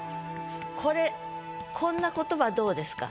これこんな言葉どうですか？